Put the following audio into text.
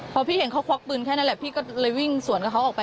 พอพี่เห็นเขาควักปืนแค่นั้นแหละพี่ก็เลยวิ่งสวนกับเขาออกไป